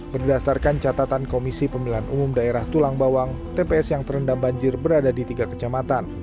berdasarkan catatan komisi pemilihan umum daerah tulang bawang tps yang terendam banjir berada di tiga kecamatan